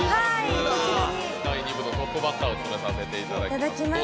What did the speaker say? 第２部のトップバッターを務めさせていただきます。